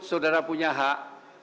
saudara punya hak